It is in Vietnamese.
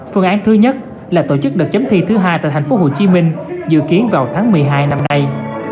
phương án thứ nhất là tổ chức đợt chấm thi thứ hai tại tp hcm dự kiến vào tháng một mươi hai năm nay